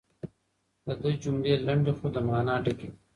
د ده جملې لنډې خو له مانا ډکې دي.